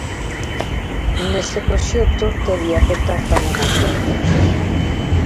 Nese proxecto tería que entrar tamén a Xunta.